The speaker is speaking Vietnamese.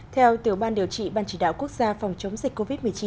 theo tiểu ban điều trị ban chỉ đạo quốc gia phòng chống dịch covid một mươi chín